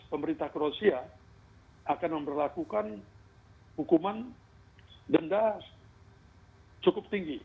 pemerintah kroasia akan memperlakukan hukuman denda cukup tinggi